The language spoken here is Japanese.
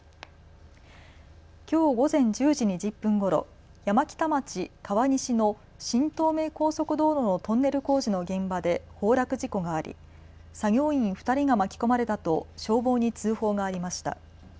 きょう午前１０時２０分ごろ山北町川西の新東名高速道路のトンネル工事の現場で崩落事故があり作業員２人が巻き込まれたと消防に通報がありました。